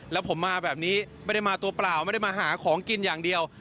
แล้วผมมาแบบนี้ไม่ได้มาตัวเปล่าไม่ได้มาหาของกินอย่างเดียว